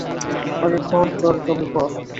আগে ঘর, তবে পর।